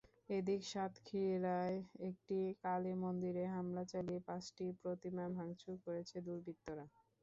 এদিকে সাতক্ষীরায় একটি কালীমন্দিরে হামলা চালিয়ে পাঁচটি প্রতিমা ভাঙচুর করেছে দুর্বৃত্তরা।